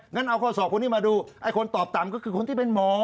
งั้นเอาข้อสอบคนนี้มาดูไอ้คนตอบต่ำก็คือคนที่เป็นหมอ